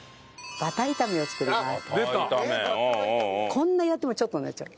こんなやってもちょっとになっちゃう。